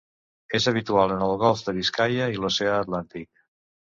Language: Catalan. És habitual en el golf de Biscaia i l'oceà Atlàntic.